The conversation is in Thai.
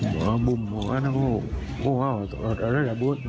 มันต้องมุ่มมันต้องมุ่มมันต้องเล็กกว่าบู๊ด